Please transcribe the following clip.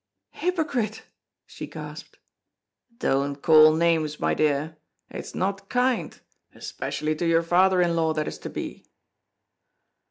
"Hypocrite!" she gasped. "Don't call names, my dear. It's not kind, especially to your father in law that is to be!"